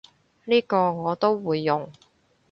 呢個我都會用